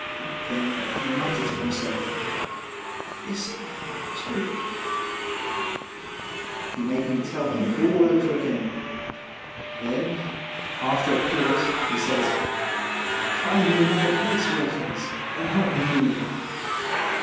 Then he muttered to himself: "TKyman, too!" He made me tell him all over again. Then, Qi 6morn Statement. 215 after a pause, he says: "Find me another place, Wilkins, and help me move."